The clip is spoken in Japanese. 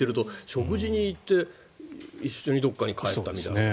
食事に行って一緒にどこかに帰ったみたいな。